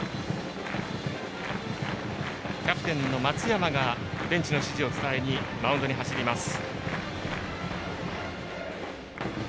キャプテンの松山がベンチの指示を伝えにマウンドに走ります。